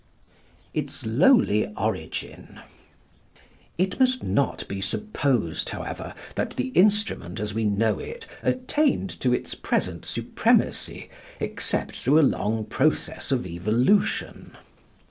Its Lowly Origin. It must not be supposed, however, that the instrument as we know it attained to its present supremacy except through a long process of evolution.